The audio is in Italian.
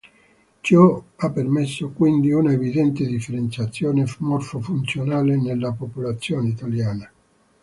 Ciò ha permesso, quindi, una evidente differenziazione morfo-funzionale nella popolazione italiana.